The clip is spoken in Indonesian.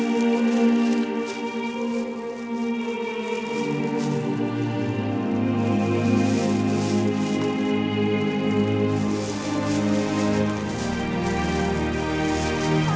kita tinggal dingin